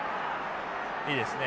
いいですね。